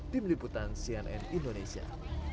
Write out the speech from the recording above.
tim liputan cnn indonesia